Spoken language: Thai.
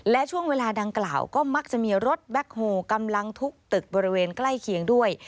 และช่วงเวลาดังกล่าวก็มักจะมีรถแบ็คโฮลกำลังทุกตึกบริเวณใกล้เคียงด้วย